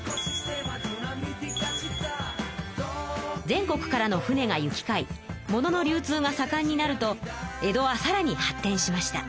全国からの船が行きかいものの流通がさかんになると江戸はさらに発てんしました。